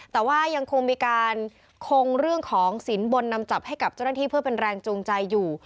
แต่ว่ายังคงมีการคงเรื่องของสินบนนำจับให้กับเจ้าหน้าที่เพื่อเป็นแรงจูงใจอยู่